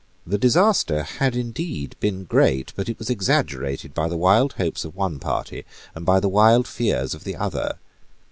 The disaster had indeed been great: but it was exaggerated by the wild hopes of one party and by the wild fears of the other.